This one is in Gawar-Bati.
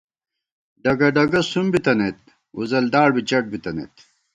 ڈگہ ڈُگہ سُم بِتَنَئیت ، وُزلداڑ بی چٹ بِتَنَئیت